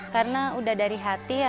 karena sudah dari hati ya